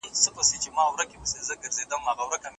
د بل رهبر وي د ځان هینداره